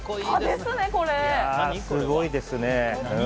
すごいですね。